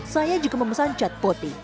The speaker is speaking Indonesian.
saya juga memesan cat poti